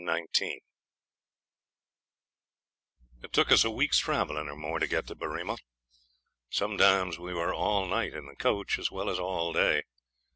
Chapter 19 It took us a week's travelling or more to get to Berrima. Sometimes we were all night in the coach as well as all day.